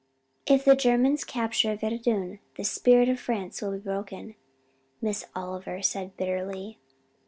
"If the Germans capture Verdun the spirit of France will be broken," Miss Oliver said bitterly.